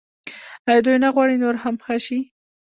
آیا دوی نه غواړي نور هم ښه شي؟